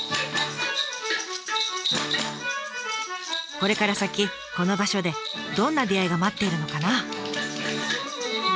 これから先この場所でどんな出会いが待っているのかな？